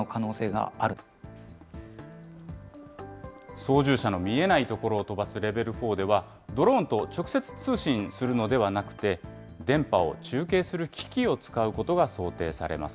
操縦者の見えない所を飛ばすレベル４では、ドローンと直接通信するのではなくて、電波を中継する機器を使うことが想定されます。